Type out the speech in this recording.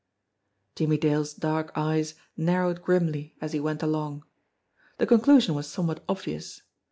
Jimmie Dale's dark eyes narrowed grimly as he went along. The conclusion was somewhat obvious.